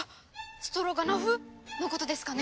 ストロガノフのことですかね？